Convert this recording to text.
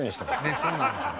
ねえそうなんですよ。